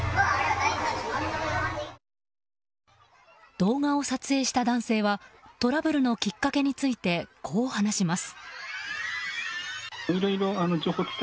動画を撮影した男性はトラブルのきっかけについてこう話します。